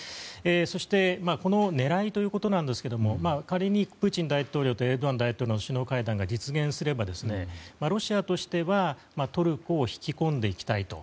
そしてこの狙いということですが仮にプーチン大統領とエルドアン大統領の首脳会談が実現すれば、ロシアとしてはトルコを引き込んでいきたいと。